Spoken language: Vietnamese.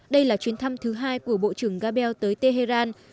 đây là chuyến thăm thứ hai của bộ trưởng gabel tới tehran